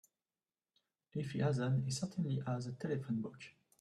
If he hasn't he certainly has a telephone book.